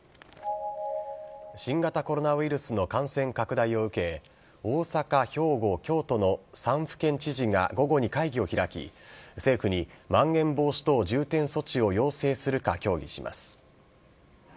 新型コロナウイルスの感染拡大を受け、大阪、兵庫、京都の３府県知事が午後に会議を開き、政府にまん延防止等重点措置を要請するか協議します。